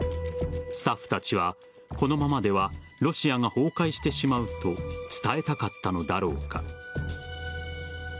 スタッフたちはこのままではロシアが崩壊してしまうと伝えたかったのだろうか。